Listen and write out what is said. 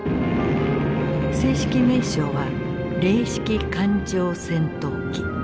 正式名称は零式艦上戦闘機。